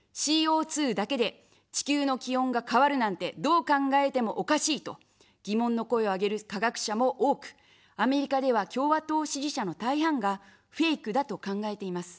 ＣＯ２だけで地球の気温が変わるなんて、どう考えてもおかしいと疑問の声を上げる科学者も多く、アメリカでは共和党支持者の大半がフェイクだと考えています。